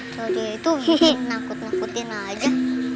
kadiah itu ngikut ngikutin aja